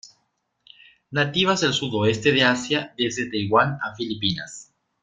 Nativas del sudoeste de Asia desde Taiwán a Filipinas.